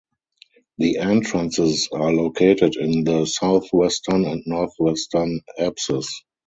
The entrances are located in the southwestern and northwestern apses.